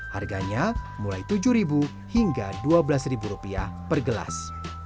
harganya mulai rp tujuh hingga rp dua belas rupiah per gelas